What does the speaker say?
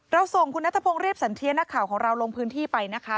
ส่งคุณนัทพงศ์เรียบสันเทียนักข่าวของเราลงพื้นที่ไปนะคะ